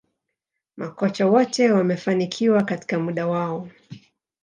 Makocha wote wamefanikiwa katika muda wao